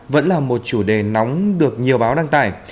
vẫn là một chủ đề nóng được nhiều báo đăng tải